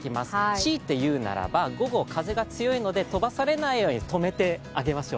しいて言うなら午後、風が強いので飛ばされないようにとめてあげましょう。